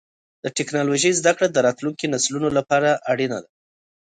د ټکنالوجۍ زدهکړه د راتلونکو نسلونو لپاره اړینه ده.